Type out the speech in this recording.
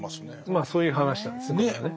まあそういう話なんですねこれはね。